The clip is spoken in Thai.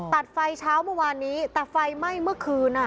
ตัดไฟเช้าเมื่อวานนี้แต่ไฟไหม้เมื่อคืนอ่ะ